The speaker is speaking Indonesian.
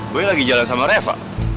gue lagi jalan sama reva